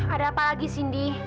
ada apa lagi sindi